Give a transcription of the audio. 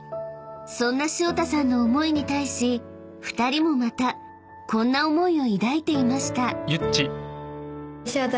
［そんな潮田さんの思いに対し２人もまたこんな思いを抱いていました］